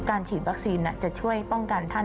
ฉีดวัคซีนจะช่วยป้องกันท่าน